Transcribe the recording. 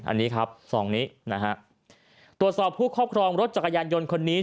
อันนี้ครับซองนี้นะฮะตรวจสอบผู้ครอบครองรถจักรยานยนต์คนนี้